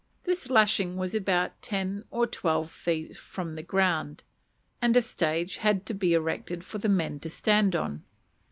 This lashing was about ten or twelve feet from the ground, and a stage had to be erected for the men to stand on.